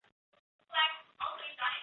后出任凤翔府知府。